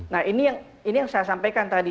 nah ini yang saya sampaikan tadi